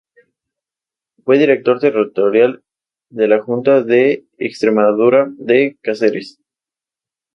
Fue director territorial de la Junta de Extremadura en Cáceres.